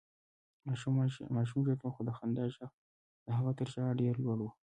ماشوم ژړل، خو د خندا غږ د هغه تر ژړا ډېر لوړ و.